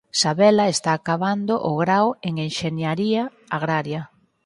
Sabela está acabando o grao en Enxeñaría Agraria.